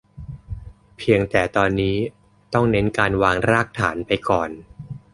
เพียงแต่ตอนนี้ต้องเน้นการวางรากฐานไปก่อน